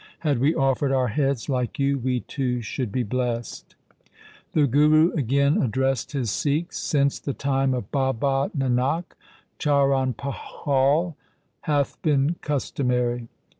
Had we offered our heads like you, we too should be blest.' The Guru again addressed his Sikhs :' Since the time of Baba Nanak charanpahul hath been cus tomary.